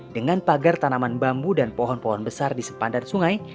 dengan pagar tanaman bambu dan pohon pohon besar di sepandan sungai